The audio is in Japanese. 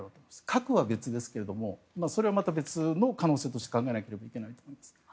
核は別ですけどもそれはまた別の可能性として考えないといけないと思うんです。